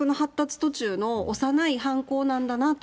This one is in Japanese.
途中の幼い犯行なんだなと、